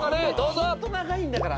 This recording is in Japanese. ほんと長いんだから。